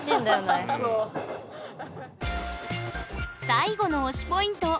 最後の推しポイント